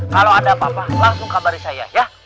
kalau ada apa apa langsung kabari saya ya